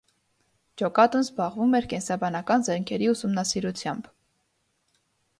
Ջոկատն զբաղվում էր կենսաբանական զենքերի ուսումնասիրությամբ։